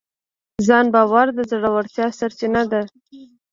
ځان باور د زړورتیا سرچینه ده.